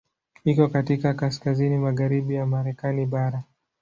Iko katika kaskazini magharibi ya Marekani bara.